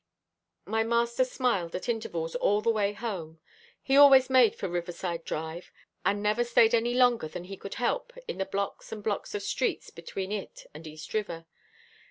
My master smiled at intervals all the way home. He always made for Riverside Drive, and never stayed any longer than he could help in the blocks and blocks of streets between it and East River.